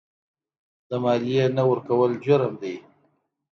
د مالیې نه ورکول جرم دی.